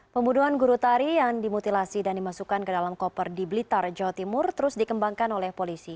pembunuhan guru tari yang dimutilasi dan dimasukkan ke dalam koper di blitar jawa timur terus dikembangkan oleh polisi